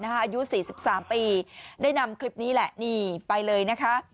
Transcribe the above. อายุ๔๓ปีได้นำคลิปนี้แหละนี่ไปเลยนะคะ